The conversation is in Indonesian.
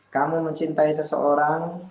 kamu mencintai seseorang